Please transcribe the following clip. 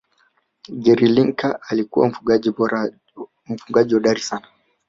gary lineker alikuwa mfungaji hodari sana